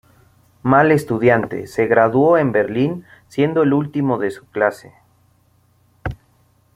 Mal estudiante, se graduó en Berlín siendo el último de su clase.